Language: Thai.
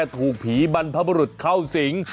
ถูกผีบรรพบรุษเข้าสิง